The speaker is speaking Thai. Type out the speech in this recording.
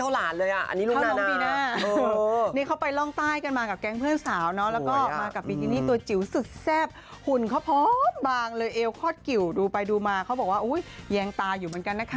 หุ่นเขาพร้อมบางเลยเอวคอดกิ๋วดูไปดูมาเขาบอกว่าอุ้ยแยงตาอยู่เหมือนกันนะคะ